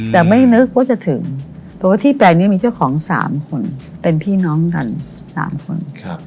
แต่ไม่นึกว่าจะถึงเพราะว่าที่แปลงนี้มีเจ้าของ๓คนเป็นพี่น้องกัน๓คน